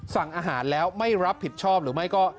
สั่งอาหารแล้วไม่รับผิดชอบหรือไม่ก็